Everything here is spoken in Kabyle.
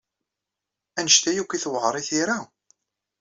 Anect-a akk ay tewɛeṛ i tira?